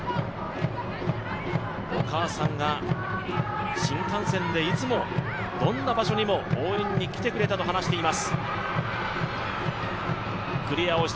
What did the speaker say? お母さんが新幹線でいつもどんな場所にも応援に来てくれたと話しています。